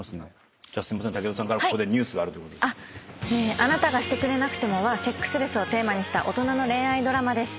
『あなたがしてくれなくても』はセックスレスをテーマにした大人の恋愛ドラマです。